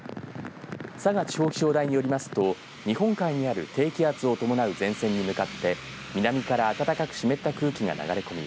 佐賀地方気象台によりますと日本海にある低気圧を伴う前線に向かって南から暖かく湿った空気が流れ込み